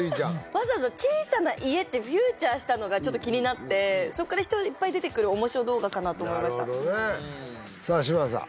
わざわざ「小さな家」ってフィーチャーしたのがちょっと気になってそこから人いっぱい出てくるおもしろ動画かなと思いましたなるほどねさあ嶋佐